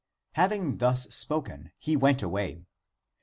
Having thus spoken, he went away.